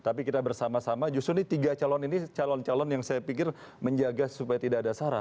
tapi kita bersama sama justru nih tiga calon ini calon calon yang saya pikir menjaga supaya tidak ada sarah